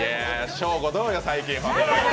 ショーゴ、どうよ、最近。